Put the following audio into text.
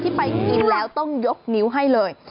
ไปกินแล้วต้องยกนิ้วให้เลย